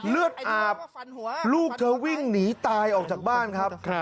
เลือดอาบลูกเธอวิ่งหนีตายออกจากบ้านครับ